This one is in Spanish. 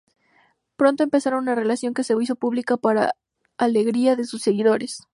Pronto empezaron una relación, que se hizo pública para alegría de sus seguidores.